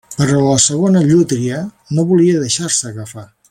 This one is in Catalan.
Però la segona llúdria no volia deixar-se agafar.